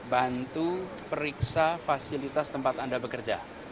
bantu periksa fasilitas tempat anda bekerja